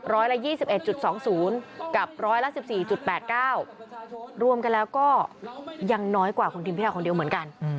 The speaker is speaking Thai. ร้อยละ๒๑๒๐กับร้อยละ๑๔๘๙รวมกันแล้วก็ยังน้อยกว่าคุณทิมพิทาคนเดียวเหมือนกัน